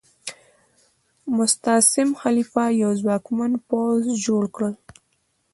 مستعصم خلیفه یو ځواکمن پوځ جوړ کړ.